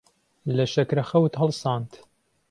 لە شەکرەخەوت هەڵساند.